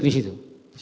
bidung ya sebagai